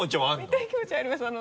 見たい気持ちはあります